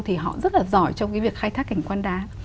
thì họ rất là giỏi trong cái việc khai thác cảnh quan đá